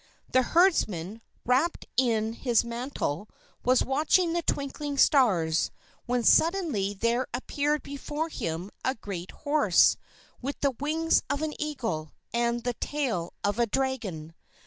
The herdsman, wrapped in his mantle, was watching the twinkling stars, when suddenly there appeared before him a great horse with the wings of an eagle, and the tail of a dragon.